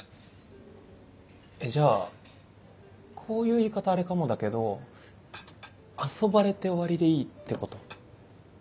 えじゃあこういう言い方あれかもだけど遊ばれて終わりでいいってこと？